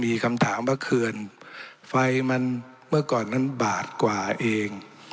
มีคำถามว่าเขื่อนไฟมันเมื่อก่อนนั้นบาทกว่าเอง